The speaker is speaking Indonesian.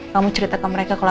kamu cerita ke mereka kalau